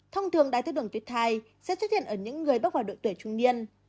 thông thường đai tháo đường tuyết thai sẽ xuất hiện ở những người bốc vào đội tuổi trung niên